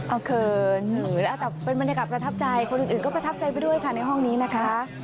เอาเขินแต่เป็นบรรยากาศประทับใจคนอื่นก็ประทับใจไปด้วยค่ะในห้องนี้นะคะ